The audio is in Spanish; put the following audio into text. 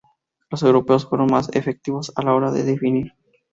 Los europeos fueron más efectivos a la hora de definir.